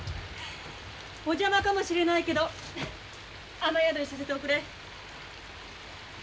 お邪魔かもしれないけど雨宿りさせておくれ。